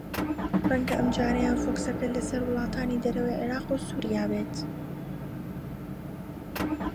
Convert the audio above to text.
رەنگە ئەمجارەیان فۆکووسەکە لەسەر وڵاتانی دەرەوەی عێراق و سووریا بێت